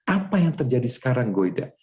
apa yang terjadi sekarang goida